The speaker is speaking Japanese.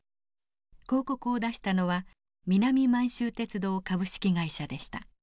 広告を出したのは南満州鉄道株式会社でした。